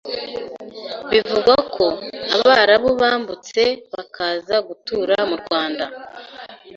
bivugwa ko Abarabu bambutse bakaza gutura mu Rwanda,